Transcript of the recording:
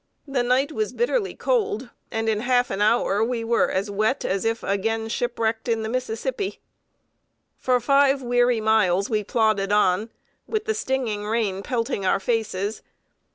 The night was bitterly cold, and in half an hour we were as wet as if again shipwrecked in the Mississippi. For five weary miles we plodded on, with the stinging rain pelting our faces.